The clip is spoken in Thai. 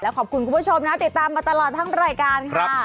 ขอบคุณคุณผู้ชมนะติดตามมาตลอดทั้งรายการค่ะ